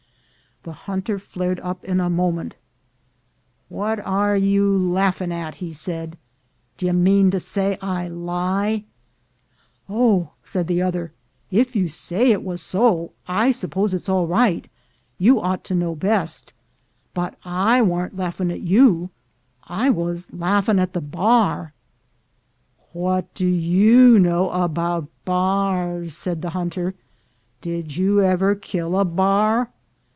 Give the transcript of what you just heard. The hunter flared up in a moment. "What are you a laafin' at?" he said. "D'ye mean to say I lie?" "Oh," said the other, "if you say it was so, I sup pose it's all right; you ought to know best. But I warn't laafin' at you ; I was laafin' at the bar." "What do you know about bars?" said the hunter, "Did you ever kill a bar?"